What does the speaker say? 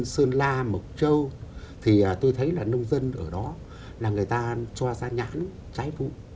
sơn la mộc châu thì tôi thấy là nông dân ở đó là người ta cho ra nhãn trái vụ